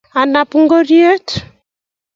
Anape ngoryet